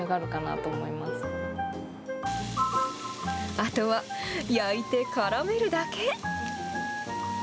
あとは焼いてからめるだけ。